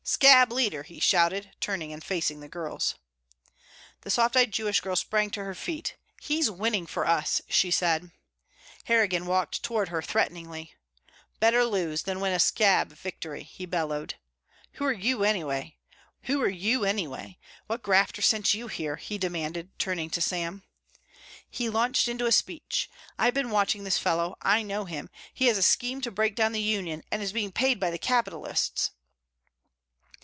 "Scab leader!" he shouted, turning and facing the girls. The soft eyed Jewish girl sprang to her feet. "He's winning for us," she said. Harrigan walked toward her threateningly. "Better lose than win a scab victory," he bellowed. "Who are you anyway? What grafter sent you here?" he demanded, turning to Sam. He launched into a speech. "I have been watching this fellow, I know him. He has a scheme to break down the union and is being paid by the capitalists."